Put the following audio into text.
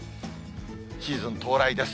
シーズン到来です。